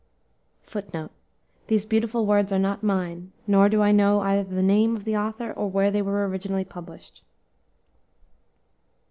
'" [Footnote: These beautiful words are not mine, nor do I know either the name of the author or where they were originally published.